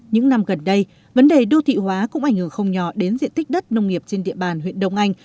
những năm gần đây vấn đề đô thị hóa cũng ảnh hưởng không nhỏ đến diện tích đất nông nghiệp trên địa bàn huyện đông anh